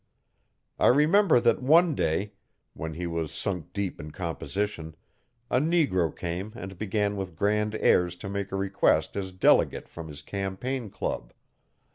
I remember that one day, when he was sunk deep in composition, a negro came and began with grand airs to make a request as delegate from his campaign club.